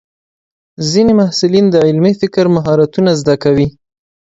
ځینې محصلین د علمي فکر مهارتونه زده کوي.